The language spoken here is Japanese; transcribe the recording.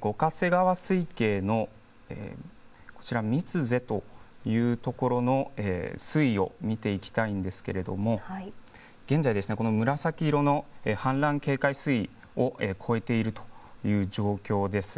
五ヶ瀬川水系のこちら、三ツ瀬という所の水位を見ていきたいんですけれども、現在、この紫色の氾濫警戒水位を超えているという状況です。